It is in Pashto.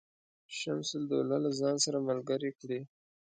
شمس الدوله له ځان سره ملګري کړي.